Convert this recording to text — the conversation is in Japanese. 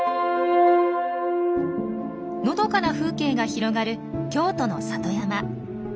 のどかな風景が広がる京都の里山。